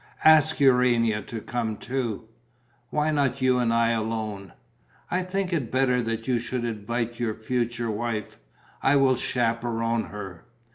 "Ask Urania to come too." "Why not you and I alone?" "I think it better that you should invite your future wife. I will chaperon her."